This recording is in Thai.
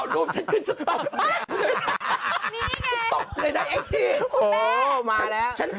ตบเลยหน่ะเอ็กจี